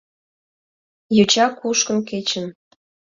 Йоча кушкын кечын.